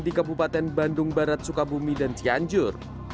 di kabupaten bandung barat sukabumi dan cianjur